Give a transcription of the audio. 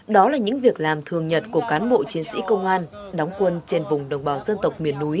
đó là những việc làm thường nhật của cán bộ chiến sĩ công an đóng quân trên vùng đồng bào dân tộc